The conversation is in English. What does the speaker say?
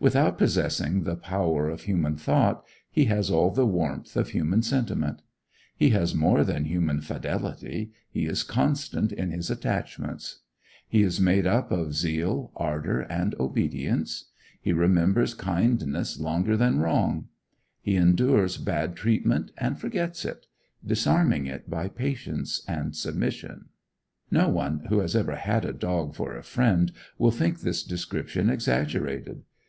Without possessing the power of human thought, he has all the warmth of human sentiment. He has more than human fidelity, he is constant in his attachments. He is made up of zeal, ardor, and obedience. He remembers kindness longer than wrong. He endures bad treatment and forgets it disarming it by patience and submission." No one who has ever had a dog for a friend will think this description exaggerated.